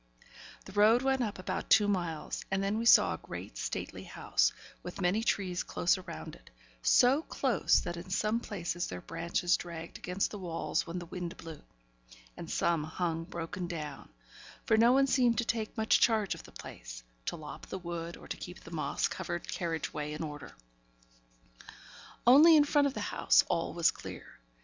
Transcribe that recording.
The road went up about two miles, and then we saw a great and stately house, with many trees close around it, so close that in some places their branches dragged against the walls when the wind blew; and some hung broken down; for no one seemed to take much charge of the place; to lop the wood, or to keep the moss covered carriage way in order. Only in front of the house all was clear.